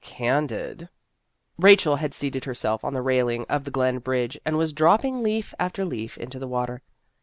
"Candid." Rachel had seated herself on the railing of the glen bridge, and was dropping leaf after leaf into the water.